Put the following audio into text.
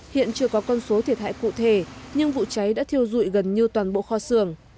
hiện chưa có con số thiệt hại cụ thể nhưng vụ cháy đã thiêu dụi gần như toàn bộ kho xưởng